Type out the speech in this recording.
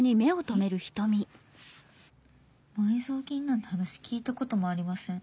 「埋蔵金なんて話聞いたこともありません。